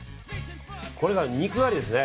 これが肉代わりですね。